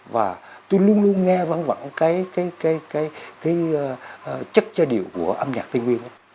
và tôi luôn luôn nghe văng vẳng cái chất cho điệu của âm nhạc tây nguyên đó